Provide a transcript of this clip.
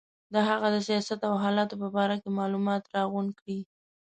د هغه د سیاست او حالاتو په باره کې معلومات راغونډ کړي.